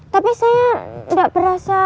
tapi saya gak perasa